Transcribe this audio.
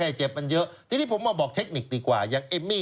ไอ้ตามอยเนี่ยคือโรคขิดอย่างแรงเนี่ย